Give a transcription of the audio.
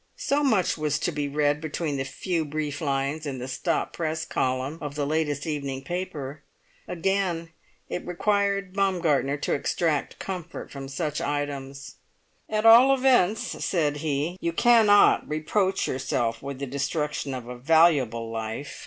So much was to be read between the few brief lines in the stop press column of the latest evening paper. Again it required Baumgartner to extract comfort from such items. "At all events," said he, "you cannot reproach yourself with the destruction of a valuable life!